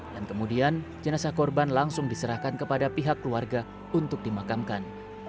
dan kemudian jenazah korban langsung diserahkan kepada pihak keluarga untuk dimakamkan